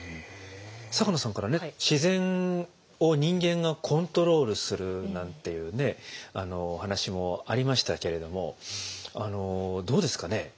坂野さんからね自然を人間がコントロールするなんていうねお話もありましたけれどもどうですかね